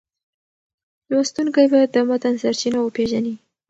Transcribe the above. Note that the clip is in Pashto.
لوستونکی باید د متن سرچینه وپېژني.